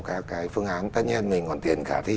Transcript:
các cái phương án tất nhiên mình còn tiền khả thi